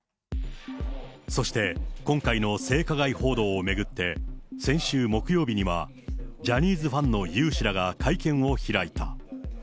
そして、今回の性加害報道を巡って、先週木曜日には、ジャニーズファンの有志らが会見を開いた。